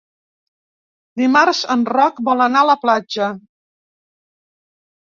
Dimarts en Roc vol anar a la platja.